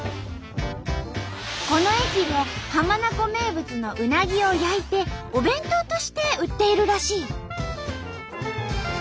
この駅で浜名湖名物のうなぎを焼いてお弁当として売っているらしい。